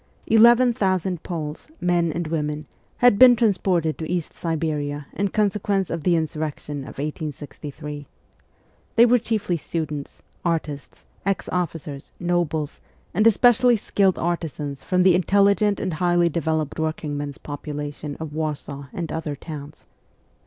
Eleven thousand Poles, men and women, had been transported to East Siberia in consequence of the insurrection of 1863. They were chiefly students, artists, ex officers, nobles, and especially skilled artisans from the intelligent and highly developed working men's population of Warsaw and other towns.